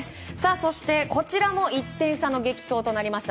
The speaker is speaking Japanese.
そしてこちらも１点差の激闘となりました。